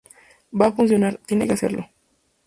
va a funcionar. tiene que hacerlo.